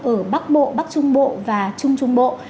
ở bắc bộ bắc trung bộ và trung trung bộ